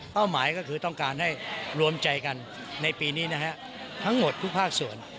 หมายก็คือต้องการให้รวมใจกันในปีนี้นะฮะทั้งหมดทุกภาคส่วน